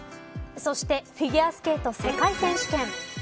そしてフィギュアスケート世界選手権。